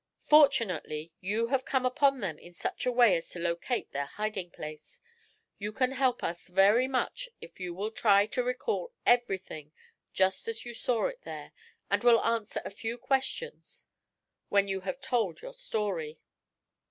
Fortunately, you have come upon them in such a way as to locate their hiding place; you can help us very much if you will try to recall everything just as you saw it there, and will answer a few questions, when you have told your story.